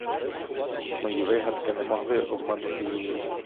Мої вигадки не могли обманути її.